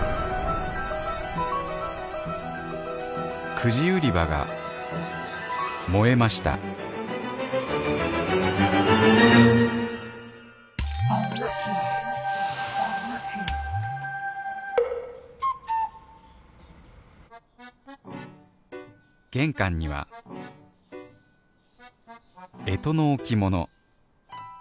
くじ売り場が燃えました玄関には干支の置物。